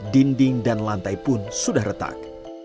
dinding dan lantai pun sudah retak